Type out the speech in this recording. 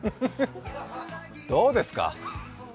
どうですか？